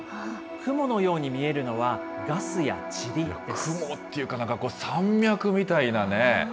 雲のように見えるのは、ガスやち曇っていうか、なんかこう、山脈みたいなね。